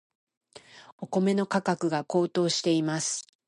お米の価格が高騰しています。